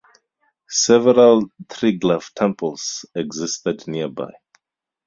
Several Triglav temples existed nearby.